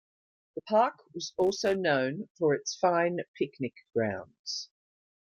The park was also known for its fine picnic grounds.